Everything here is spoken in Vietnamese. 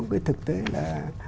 cái thực tế là